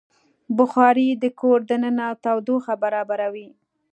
بخاري د کور دننه تودوخه برابروي.